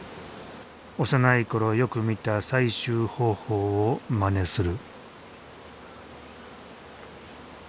幼いころよく見た採集方法をまねする。